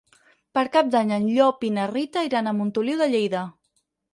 Per Cap d'Any en Llop i na Rita iran a Montoliu de Lleida.